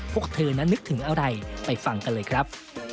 พวกเธอนั้นนึกถึงอะไรไปฟังกันเลยครับ